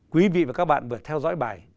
quý vị và các bạn vừa theo dõi bài